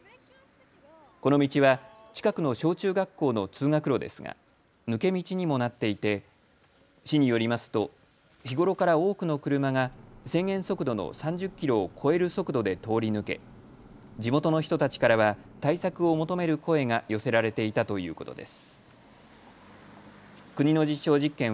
この道は近くの小中学校の通学路ですが抜け道にもなっていて市によりますと日頃から多くの車が制限速度の３０キロを超える速度で通り抜け地元の人たちからは対策を求める声が寄せられていたということです。